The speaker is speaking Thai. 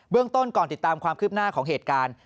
เรื่องต้นก่อนติดตามความคืบหน้าของเหตุการณ์